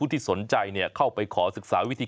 ตามแนวทางศาสตร์พระราชาของในหลวงราชการที่๙